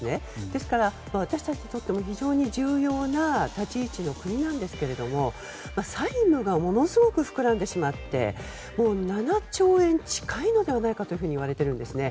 ですから、私たちにとっても非常に重要な立ち位置の国ですが債務がものすごく膨らんでしまって７兆円近いのではないかといわれているんですね。